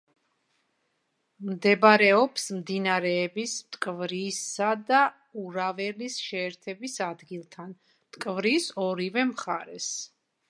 მდებარეობს მდინარეების მტკვრისა და ურაველის შეერთების ადგილთან, მტკვრის ორივე მხარეს.